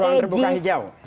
ruang terbuka hijau